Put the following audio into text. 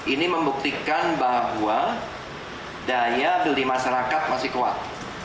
ini membuktikan bahwa daya beli masyarakat masih kuat